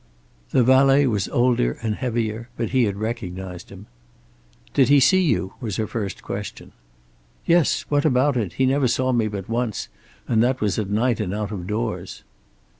The valet was older and heavier, but he had recognized him. "Did he see you?" was her first question. "Yes. What about it? He never saw me but once, and that was at night and out of doors."